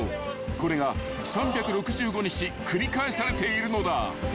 ［これが３６５日繰り返されているのだ］